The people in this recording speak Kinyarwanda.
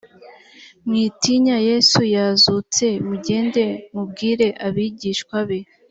mwitinya yesu yazutse mugende mubwire abigishwa be